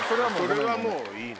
それはもういいの。